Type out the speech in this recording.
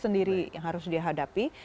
sendiri yang harus dihadapi